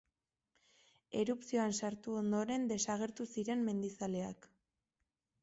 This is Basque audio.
Erupzioan sartu ondoren desagertu ziren mendizaleak.